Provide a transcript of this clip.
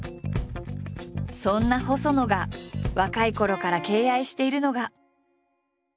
そんな細野が若いころから敬愛しているのが。